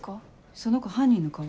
その子犯人の顔は？